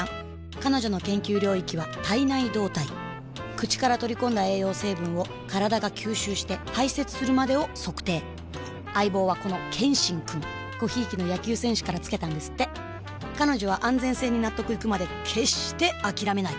彼女の研究領域は「体内動態」口から取り込んだ栄養成分を体が吸収して排泄するまでを測定相棒はこの「ケンシン」くんご贔屓の野球選手からつけたんですって彼女は安全性に納得いくまで決してあきらめない！